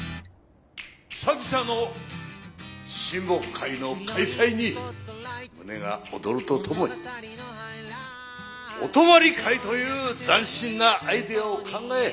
久々の親睦会の開催に胸が躍るとともにお泊まり会という斬新なアイデアを考え